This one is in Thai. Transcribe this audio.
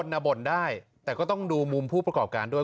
บ่นได้แต่ก็ต้องดูมุมผู้ประกอบการด้วย